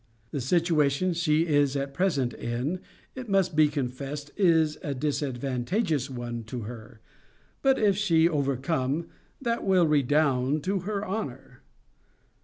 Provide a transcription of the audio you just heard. The situation she is at present in, it must be confessed is a disadvantageous one to her: but, if she overcome, that will redound to her honour.